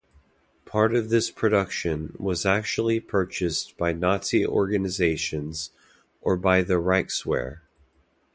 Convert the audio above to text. Part of this production was actually purchased by Nazi organisations or by the Reichswehr.